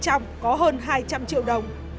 trong có hơn hai trăm linh triệu đồng